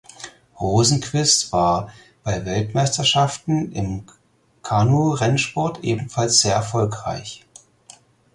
Rosenqvist war bei Weltmeisterschaften im Kanurennsport ebenfalls sehr erfolgreich.